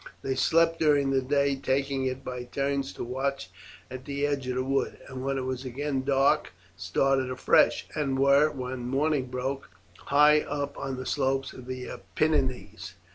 They slept during the day, taking it by turns to watch at the edge of the wood, and when it was again dark started afresh, and were, when morning broke, high up on the slopes of the Apennines.